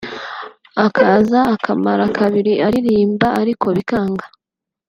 akaza akamara kabiri aririmba ariko bikanga